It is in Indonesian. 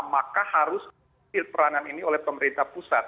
maka harus peranan ini oleh pemerintah pusat